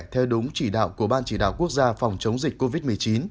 theo đúng chỉ đạo của ban chỉ đạo quốc gia phòng chống dịch covid một mươi chín